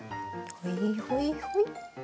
ほいほいほい。